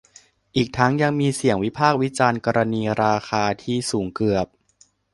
อีกทั้งยังมีเสียงวิพากษ์วิจารณ์กรณีราคาที่สูงเกือบ